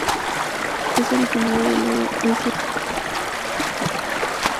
Es originario del oeste de África tropical hasta Angola.